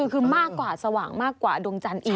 คือมากกว่าสว่างมากกว่าดวงจันทร์อีก